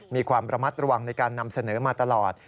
มีความระมัดระวังในการนำเสนอมาตลอด